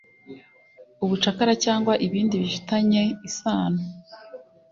ubucakara cyangwa ibindi bifitanye isano